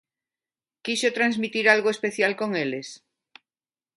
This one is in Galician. Quixo transmitir algo especial con eles?